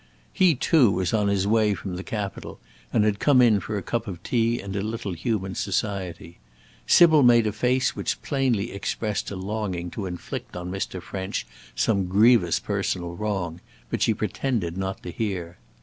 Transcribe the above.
He, too, was on his way from the Capitol, and had come in for a cup of tea and a little human society. Sybil made a face which plainly expressed a longing to inflict on Mr. French some grievous personal wrong, but she pretended not to hear.